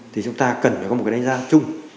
thì chúng ta cần phải có một cái đánh giá chung